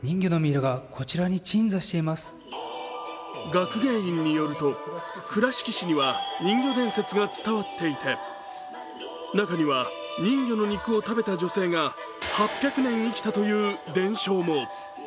学芸員によると、倉敷市には人魚伝説が伝わっていて、中には、人魚の肉を食べた女性が８００年生きたという伝承も。